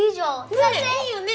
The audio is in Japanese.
いいよね。